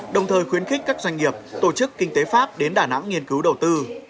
đồng thời khuyến khích các doanh nghiệp tổ chức kinh tế pháp đến đà nẵng nghiên cứu đầu tư